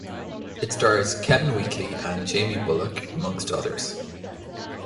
It stars Kevin Wheatley and Jamie Bullock, amongst others.